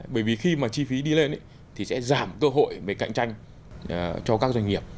bởi vì khi mà chi phí đi lên thì sẽ giảm cơ hội về cạnh tranh cho các doanh nghiệp